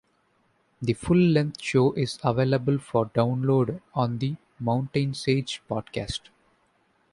The full-length show is available for download on the Mountain Stage podcast.